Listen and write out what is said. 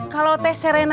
kalau teh serenya